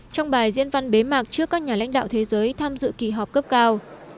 trong bài diễn văn bế mạc trước các nhà lãnh đạo thế giới tham dự kỳ họp cấp cao